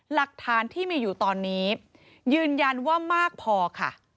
หลักฐานที่มีอยู่ตอนนี้ยืนยันว่ามากพอค่ะ